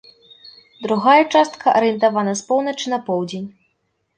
Другая частка арыентавана з поўначы на поўдзень.